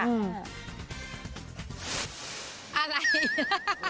อะไร